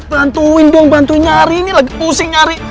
bantuin dong bantu nyari ini lagi pusing nyari